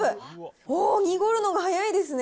おー、濁るのが速いですね。